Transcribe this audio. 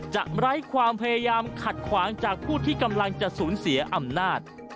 ไร้ความพยายามขัดขวางจากผู้ที่กำลังจะสูญเสียอำนาจ